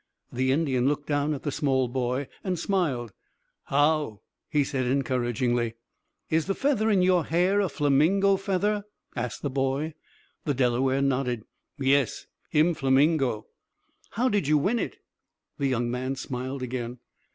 The Indian looked down at the small boy, and smiled. "How?" he said encouragingly. "Is the feather in your hair a flamingo feather?" asked the boy. The Delaware nodded. "Yes, him flamingo." "How did you win it?" The young man smiled again.